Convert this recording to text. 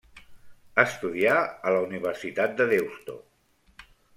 Estudià a la Universitat de Deusto.